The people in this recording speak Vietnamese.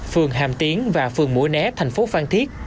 phường hàm tiến và phường mũi né thành phố phan thiết